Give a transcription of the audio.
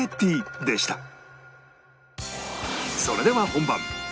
それでは本番